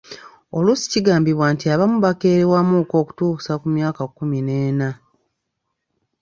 Oluusi kigambibwa nti abamu bakerewamuuko okutuusa ku myaka kumi n'ena.